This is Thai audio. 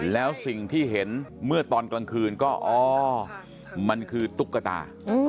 แล้วสิ่งที่เห็นเมื่อตอนกลางคืนก็อ๋อมันคือตุ๊กตา